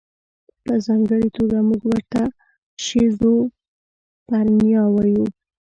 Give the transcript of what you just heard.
په ځانګړې توګه موږ ورته شیزوفرنیا وایو.